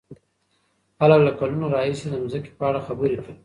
خلک له کلونو راهيسې د ځمکې په اړه خبرې کوي.